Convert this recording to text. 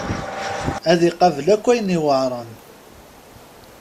Ad iqabel akk ayen yuɛren.